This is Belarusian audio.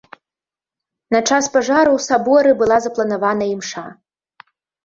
На час пажару ў саборы была запланаваная імша.